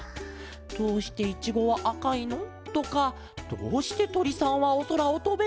「どうしていちごはあかいの？」とか「どうしてとりさんはおそらをとべるの？」とか。